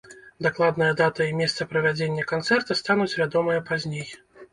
Дакладная дата і месца правядзення канцэрта стануць вядомыя пазней.